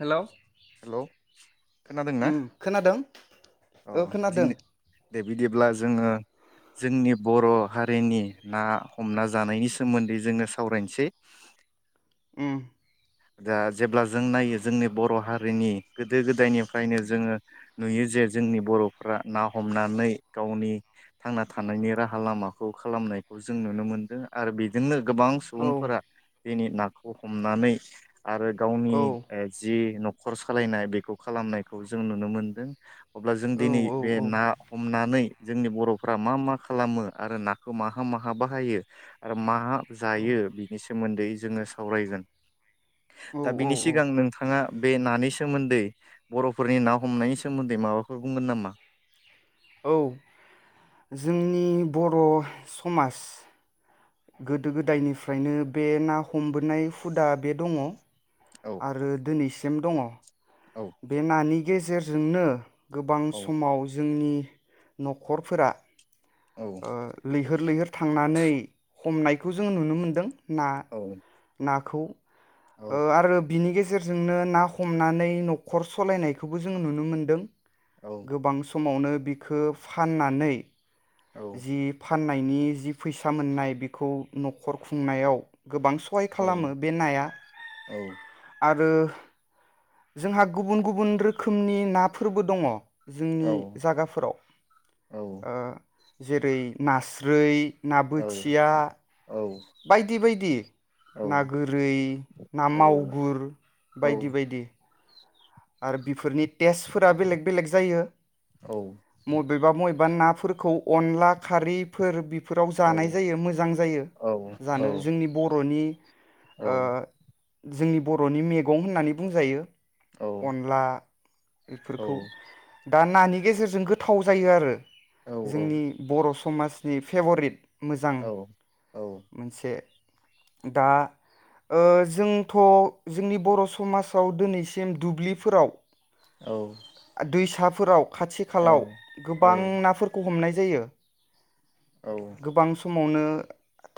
Hello hello खोनादोंना उम खोनादों अ ओ खोनादों दिनै दे बिदिब्ला जोङो जोंनि बर' हारिनि ना हमना जानायनि सोमोन्दै जोङो सावरायनोसै ओम दा जेब्ला जों नायो जोंनि बर' हारिनि गोदो गोदायनिफ्रायनो जोङो नुयो जे जोंनि बर'फ्रा ना हमनानै गावनि थांना थानायनि राहा लामाखौ खालामनायखौ जों नुनो मोनदों आरो बेजोंनो गोबां औ सुबुंफोरा दिनै नाखौ हमनानै आरो गावनि औ ए जि नख खर' सालायनाय बेखौ खालामनायखौ जों नुनो मोनदों अब्ला जों औ दिनै औ बे ना हमनानै जोंनि बर'फ्रा मा मा खालामो आरो नाखौ माहा माहा बाहायो आरो माहा जायो बिनिसो सोमोन्दै जोङो सावरायगोन दा औ औ बिनि औ सिगां नोंथाङा बे नानि सोमोन्दै बर'फोरनि ना हमनायनि सोमोन्दै माबाफोर बुंगोन नामा? औ जोंनि बर' समाज गोदो गोदायनिफ्रायनो बे ना हमबोनाय हुदा बे दङ औ आरो दिनैसिम गेम दङ औ बे नानि गेजेरजोंनो गोबां औ समाव जोंनि नखरफोरा औ ओ लैहोर लैहोर थांनानै हमनायखौ जों नुनो मोनदों ना औ नाखौ औ ओ आरो बिनि गेजेरजोंनो ना हमनानै नखर सलायनायखौबो जों नुनो मोन्दों औ गोबां स खमावनो बिखो फाननानै औ जि फा फाननायनि जि फैसा मोननाय बेखौ नखर खुंनायाव गोबां सहाय खालामो बे नाया औ आरो जोंहा गुबुन गुबुन रोखोमनि नाफोरबो दङ औ जोंनि जागाफोराव औ ओ जेरै नास्रोइ ना औ बोथिया औ बायदि बायदि ना गोरै ना मावगुर बायदि बायदि आरो बिफोरनि टेसफोरा बेलेग बेलेग जायो औ मबेबा मयबा ना फोरखौ अनला खारैफोर बि फोराव औ जानाय जायो मोजां जायो जानो जोंनि बरनि औ ओ औ जोंनि बरनि मेगं होननानै बुंजायो अनला बेफोरखौ दान नानि गेजेरजों गोथाव जायो आरो जोंनि बर स समाजनि फेभरिट मोजां औ मोनसे दा ओ जोंथ जोंनि बर समासाव दोनैसिम दुब्लिफोराव औ दैसाफोराव खाथि खालाव गोबां नाफोरखौ हमनाय जायो जायो औ समावनो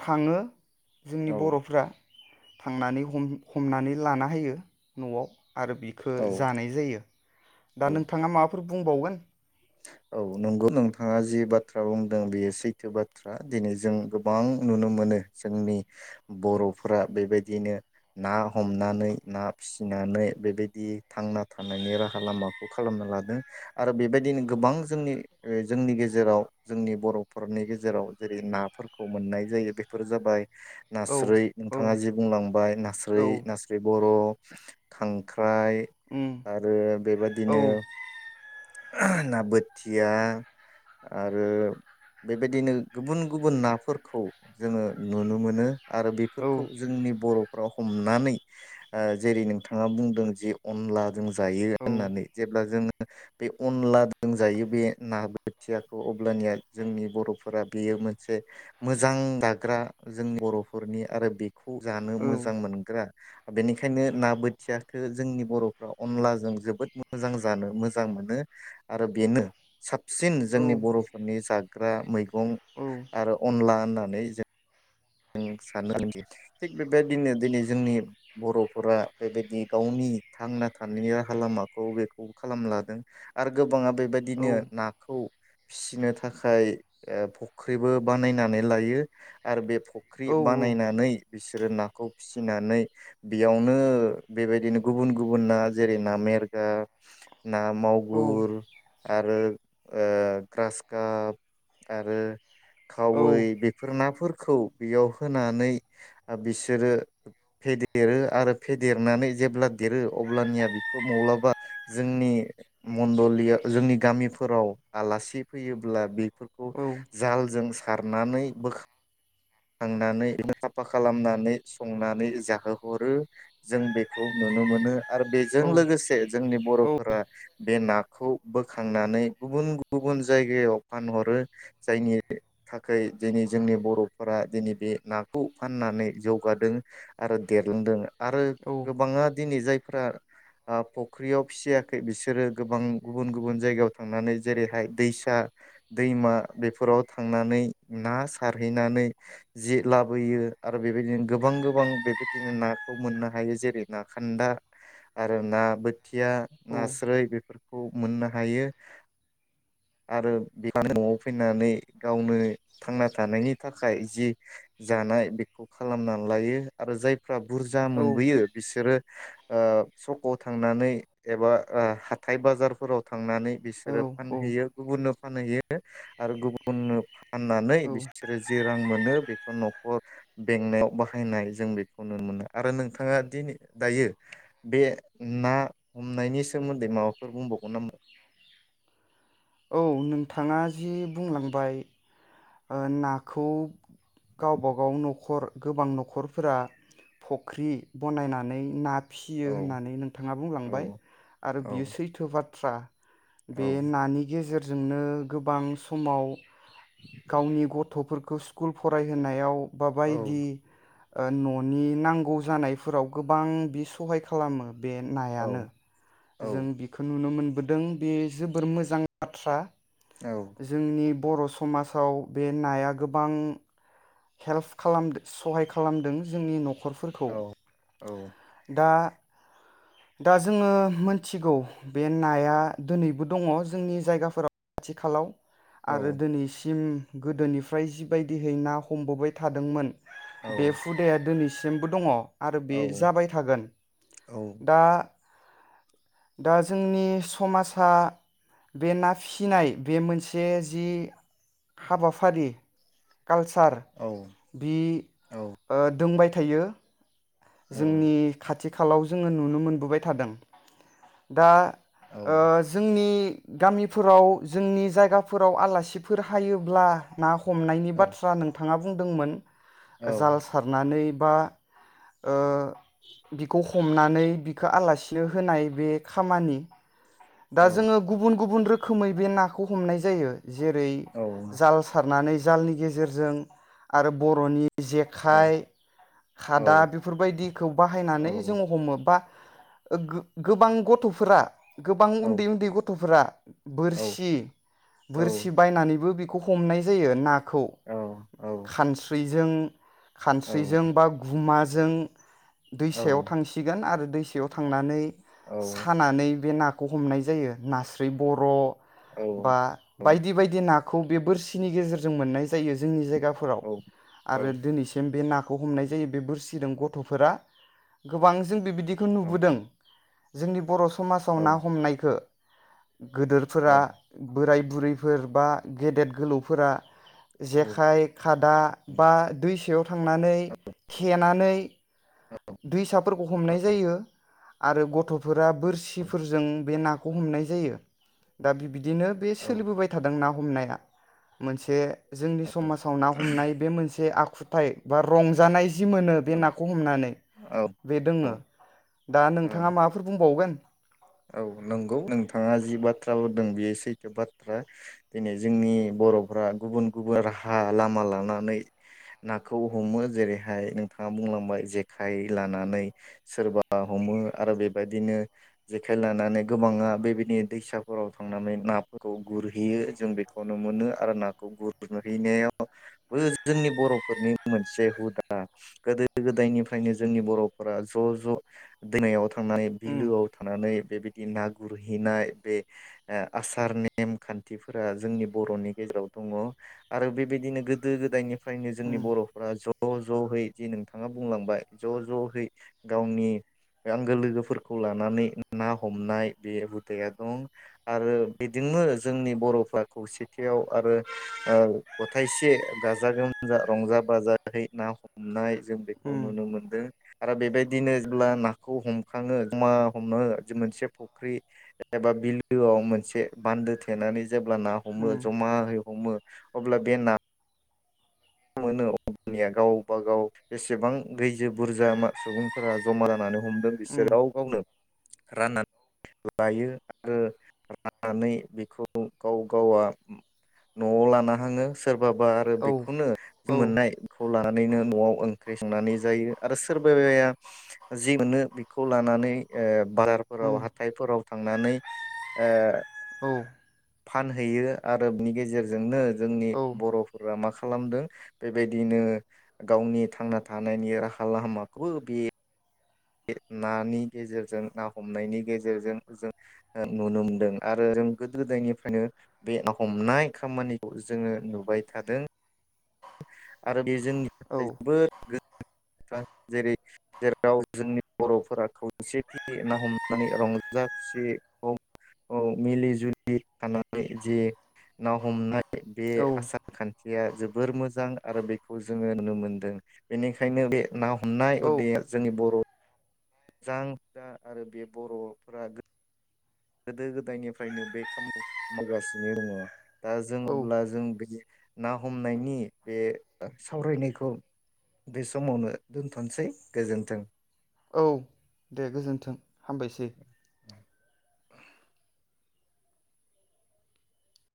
थाङो जोंनि बर'फ्रा थांनानै हम-हमनानै लाना होयो नआव आरो बिखो औ जानाय जायो दा औ नोंथाङा मा बुंबावगोन औ नोंगौ नोंथाङा जि बाथ्रा बुंदों बेयो सैथो बाथ्रा दिनै जों गोबां नुनो मोनो जोंनि बर'फोरा बेबायदिनो ना हमनानै ना फिसिनानै बेबायदि थांना थानायनि राहा लामाखौ खालामना लादों आरो बेबायदिनो गोबां जोंनि जोंनि गेजेराव जोंनि बर'फोरनि गेजेराव जेरै नाफोरखौ मोननाय जायो बेफोर जाबाय औ नास्राय औ नोंथाङा जि बुंलांबाय औ नास्राय नास्राय बर खां ओमफ्राय उम आरो औ बेबादिनो ना बोथिया आरो बेबायदिनो गुबुन गुबुन नाफोरखौ जोङो नुनो मोनो आरो औ बेफोरखौ जोंनि बर हमनानै जेरै नोंथाङा बुंदों जे अनला जों जायो औ होननानै जेब्ला जोङो बे अनला दों जायो बे ना बोथियाखौ अब्लानिया जोंनि बरफोरा बेयो मोनसे मोजां दाग्रा जों बरफोरनि आरो बे खौ जानो औ मोजां मोनग्रा बेनिखायनो ना बोथियाखौ जोंनि बर'फ्रा अनलाजों जोबोद मोजां जानो मोजां मोजां मोनो आरो बेनो साब सिन औ जोंनि बरफोरनि जा ग्रा मैगं अं औ आरो अनला होनना नै जों जों सानो आरोखि थिग बेबायदिनो दिनै जोंनि बरफोरा बेबायदि गावनि थांना थानायनि राहा लामाखौ बेखौ खालामलादों आरो गोबाङा बेबायदिनो नाखौ फिनो थाखाय फुख्रिबो बानायनानै लायो आरो बे फ फख्रि बानायनानै बिसोर बिसोरो नाखौ फिसिनानै बेयावनो बेबायदिनो गुबुन गुबुन ना जेरै ना मेरगा ना औ मावगुर आरो ओ ग्रास काप आरो खावै बेफोर नाफोर खौ बेयाव होनानै बिसोरो फेदेरो आरो फेदेरनानै जेब्ला देरो अब्लानिया बेखौ मब्लाबा जोंनि मन्दलिया जोंनि गामिफोराव आलासि फैयोब्ला बे [unintelligible] खौ जालजों सा खारनानै बोखा थांनानै सा [inaudible] फा खालामनानै संनानै जाहोहरो जों बेखौ नुनो मोनो। आरो बेजों लोगोसे जोंनि बर'फोरा बे ना खौ बोखांनानै गुबुन [inaudible] गुबुन जायगायाव फानहरो जायनि [inaudible] थाखाय दिनै जोंनि बर' फोरा दिनै बे नाखौ फाननानै जौगादों आरो देरलांदों आरो गोबाङा दिनै जाय फोरा ओ फुख्रियाव फिसियाखै बिसोरो गोबां गुबुन गुबुन जायगायाव थांनानै जेरैहाय दैसा दैमा बेफोराव थांनानै ना सारहैनानै जि लाबोयो आरो बेबायदिनो गोबां गोबां बेबायदिनो नाखौ मोननो हायो जेरै ना खान्दा आरो ना बोथिया नास्राय बेफोरखौ मोननो हायो आरो [inaudible] न'आव फैनानै गावनो थांना थानायनि थाखाय थाखाय जि जानाय बेखौ खालामनानै लायो आरो जाय फ्रा बुरजा मोनबोयो बिसोरो ओ सकाव थांनानै एबा ओ हाथाय बाजारफोराव थांनानै बिसोरो औ फानहैयो औ गुबुननो फानहैयो [inaudible] आरो गुबुन [inaudible] ननो [inaudible] फाननानै औ बिसोरो जे रां मोनो बेखौ न'खर बेंनायाव बाहायनाय जों बेखौ नुनो मोनो आरो नोंथाङा दिनै दायो बे ना हमनायनि सोमोन्दै माबाफोर बुंबावगोन नामा? औ नोंथाङा जि बुंलांबाय ओ नाखौ गावबागाव न'खर गोबां न'खरफोरा फुख्रि बनायनानै ना फियो औ होननानै नोंथाङा बुंलांबाय औ आरो बियो औ सैथो बाथ्रा आथ्रा बे औ नानि गेजेर जोंनो गोबां समाव गावनि गथ'फोरखौ स्कुल फरायहोनायाव औ बाबायदि ओ न'नि नांगौ जानायफोराव गोबां बि सहाय खालामो बे नायानो औ औ जों बेखौ नुनो मोनदों बोदों बे जोबोर मोजां बा [inaudible] थ्रा औ जोंनि बरस समाजाव बे नाया गोबां हेल्प खालामदों सहाय खालामदों जोंनि नखर खरफोरखौ औ औ दा दा जोङो मोनथिगौ बे नाया दिनैबो दङ जोंनि जायगाफोराव [inaudible] आथिखालाव औ आरो दिनैसिम गोदोनिफ्राय जिबायदिहै ना हमबोबाय थादोंमोन औ [unintelligible] बे हुदाया दिनैसिम सेमबो दङ आरो औ बे जाबाय थागोन दा दा जोंनि समासा बे ना फिसिनाय बे मोनसे जि हाबाफारि कालसार औ बि औ ओ दोंबाय था थायो जोंनि खाथ आथिखालाव जोङो नुनो मोनबोबाय थादों दा ओ औ जोंनि गामिफोराव जोंनि जायगाफोराव आलासिफोर हायोब्ला ना ह हमनायनि औ बाथ्रा नोंथाङा बुंदोंमोन जाल सारनानै बा ओ बिखौ हमनानै बिखो आलासि नो होनाय बे खामानि दा जोङो गुबुन गुबुन रोख खोमै बे नाखौ हमनाय जायो जेरै जाल सारनानै जालनि गेजेरजों आरो बरनि जेखाइ खादा बेफो बेफोरबायदिखौ बाहायनानै जोंङो हमोबा ओ गो-गोबां गथफोरा गोबां उन्दै उन्दै गथफोरा [inaudible] बोरसि बोरसि बायनानैबो बि खौ हमनाय जायो ना खौ औ - औ खानस्रि जों औ खानस्रिजों बा गुमाजो जों औ दैसायाव थांसिगोन आरो दैसा बेयाव थांनानै औ सानानै बे ना खौ हमनाय जायो नास्रि बर औ बा औ बायदि बायदि ना खौ बे बोरसिनि गेजेरजों मोननाय जायो जोंनि जायगायाव बिगाफोराव औ औ आरो दिनैसिम बे ना खौ हमनाय जायो बे बोरसि गथफोरा गोबां जों बेबादि [unintelligible] बिदिखौ औ नुबोदों जोंनि बर समाजाव ना औ हमनायखो गोदोरफोरा औ बोराय बुरैफोर बा गेदेद गोलौफोरा जेखाइ खादा बा दैसायाव थांनानै खेया नानै दैसाफोरखौ हमनाय जायो आरो गथफोरा बोरसिफोरजों बे नाखौ हमनाय जायो दा बि बिदिनो बे सोलिबोबाय थादोंना हमनाया मोनसे जोंनि समाजाव ना हमनाय बे मोनसे आख खुथाय बा रंजानाय जि मोनो बे नाखौ हमनानै औ बेदोङो दा औ नोंथाङा माबाफोर बुंबावगोन औ नंगौ नोंथाङा जि बाथ्रा बुंदों बेयो सैथो बाथ्रा दिनै जोंनि बरफ्रा गुबुन गुबुन राहा लामा लानानै नाखौ हमो जेरैहाय नोंथाङा बुंलांबाय जेखाइ लानानै सोरबा हमो आरो बेबायदिनो जेखाइ लानानै गोबाङा बेबायदि दैसाफोराव थांनानै नाफोरखौ गुरहैयो जों बेखौनो मोनो आरो नाखौ गुरहैनायावबो जोंनि बरफोरनि मोनसे हुदा गोदो गोदायनिफ्रायनो जोंनि बरफोरा ज ज दैमायाव थां थांनाय उम बिलोआव नै बेबायदि ना गुरहैनाय बे आसार नेम खान्थिफोरा जोंनि बरनि गेजेराव दङ आरो बेबायदिनो गोदो गोदायनि फ्रायनो जोंनि उम बरफोरा ज ज जहै जे नोंथाङा बुंलांबाय ज जहै गावनि आंगो लोगोफोरखौ लानानै ना हमनाय बे हुदाया दं आरो बेजोंनो जोंनि बरफ्रा खौसेथियाव आरो गथायाइसे गाजा गोमजा रंजा बाजायै ना हमनाय जों बेखौ उम नुनो मोनदों आरो बेबायदिनो जेब्ला नाखौ हमखाङो जमा हमो मोनसे फुख्रि एबा बिलोआव मोनसे बान्दो थेनानै जेब्ला ना हमो उम जमाहै हमो अब्ला बे ना मोनो अब्लानिया गावबा गाव बेसेबां गैजो बुरजा सुबुंफोरा जमा जानानै हमदों उम बिसोराव गावनो राननानै लायो आरो राननानै बेखौ गाव गावा नआव लाना हाङो सोरबा बाबा आरो औ बेखौनो औ मोननायखौ लानानैनो नआव ओंख्रि संनानै जायो आरो सोरबाया जि मोनो बेखौ लानानै ए बाजारफोराव उम हाथायफोराव थांनानै ओ औ। फानहैयो आरो बिनि गेजेरजोंनो जोंनि औ बर'फोरा माखा खालामदों बेबायदिनो गावनि थांना थानायनि राहा लामाखौबो बे बे नानि गेजेरजों ना हमनायनि गेजेरजों जों ओ नुनो मोनदों आरो जों गोदो गोदायनिफ्रायनो बे ना हमनाय खामानिखौ जोङो नुबाय थादों। आरो बे जोंनि औ थाखाय जोबोद गो जेरै जेराव जोंनि बर'फोरा खौसेथि ना हमनानै रंजा खुसिखौ मिलि जुलि थानानै जि ना हमनाय बे औ आसार खान्थिया जोबोद बोर मोजां आरो बेखौ जोङो नुनो मोनदों बेनिखायनो बे ना हमनाय औ हुदाया जोंनि बर' जां हुदा आरो बे बर'फोरा गो गोदो गोदायनिफ्रायनो बे खामानिखौ मावगासिनो दङ दा जों औ अब्ला जों बे ना हमनायनि बे सावरायनायखौ बे समावनो दोनथनोसै गोजोन्थों। औ दे गोजोन्थों हामबायसै।